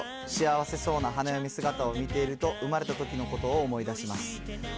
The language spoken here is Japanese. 幸せそうな花嫁姿を見ていると、生まれたときのことを思い出します。